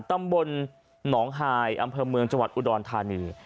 ตำบลหนองฮายอำเภอเมืองจังหวัดอุดรธานี